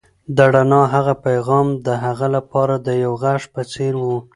د رڼا هغه پیغام د هغه لپاره د یو غږ په څېر و.